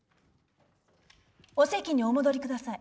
お席にお戻り下さい。